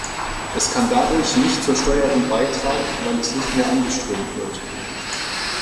Es kann dadurch nicht zur Steuerung beitragen, weil es nicht mehr angeströmt wird.